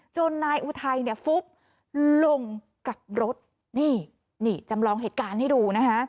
จนนายอุไทยลงกับรถนี่จำลองเหตุการณ์ให้ดู